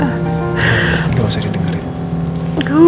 enggak usah didengarkan